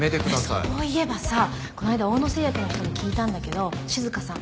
ねえそういえばさこの間オオノ製薬の人に聞いたんだけど静さん